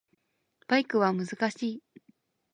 バイクは難しい